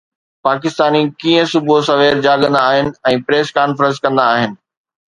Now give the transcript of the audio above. پاڪستاني ڪيئن صبح سوير جاڳندا آهن ۽ پريس ڪانفرنس ڪندا آهن